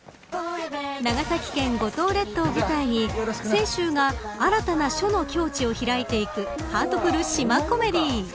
長崎県五島列島を舞台に清舟が新たな書の境地を開いていくハートフル島コメディー。